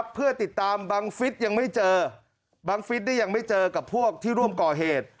เพื่อติดตามบางฟิศยังไม่เจอกับพวกที่ร่วมก่อเหตุ